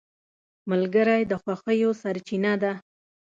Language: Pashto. ملګری د خوښیو سرچینه ده